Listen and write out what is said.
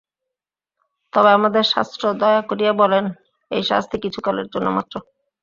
তবে আমাদের শাস্ত্র দয়া করিয়া বলেন, এই শাস্তি কিছুকালের জন্য মাত্র।